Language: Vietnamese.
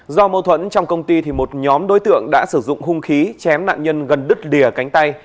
do mâu thuẫn trong công ty thì một nhóm đối tượng đã sử dụng hung khí chém nạn nhân gần đứt lìa cánh tay